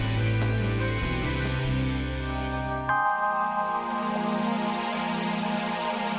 beban dari jengkol